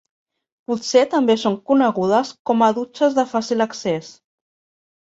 Potser també són conegudes com a dutxes de fàcil accés.